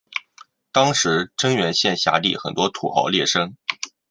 当时真源县辖地很多土豪劣绅。